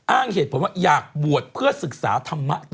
อ้างเหตุผลว่าอยากบวชเพื่อศึกษาธรรมะต่อ